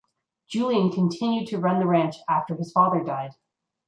Julian continued to run the ranch after his father died.